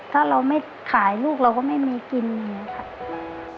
ถ้าเราไม่ขายลูกเราก็ไม่มีกินเลยนะครับ